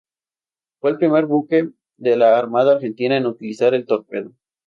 Fue el primer buque de la Armada Argentina en utilizar el torpedo.